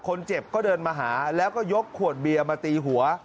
คนเจ็บก็เดินมาหาแล้วก็ยกขวดเบียร์มาตีหัว